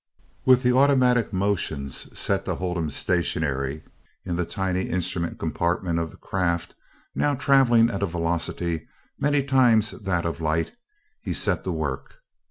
With the automatic motions set to hold him stationary in the tiny instrument compartment of the craft, now traveling at a velocity many times that of light, he set to work.